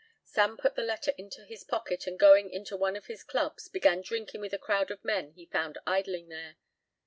Sam put the letter into his pocket and going into one of his clubs began drinking with a crowd of men he found idling there.